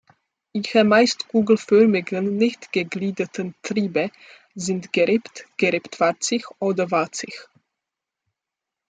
Ihre meist kugelförmigen, nicht gegliederten Triebe sind gerippt, gerippt-warzig oder warzig.